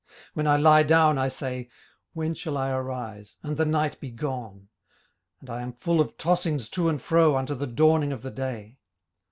18:007:004 When I lie down, I say, When shall I arise, and the night be gone? and I am full of tossings to and fro unto the dawning of the day.